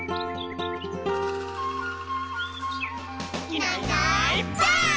「いないいないばあっ！」